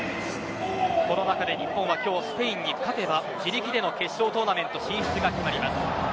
この中で日本は今日スペインスペインに勝てば自力での決勝トーナメント進出が決まります。